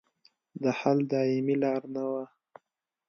د حل دایمي لار نه وه.